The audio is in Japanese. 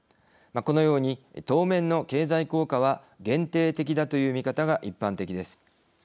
このように当面の経済効果は限定的だという見方が一般的です。